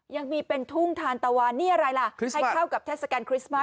ยังมีเป็นทุ่งทานตะวันนี่อะไรล่ะให้เข้ากับเทศกาลคริสต์มาส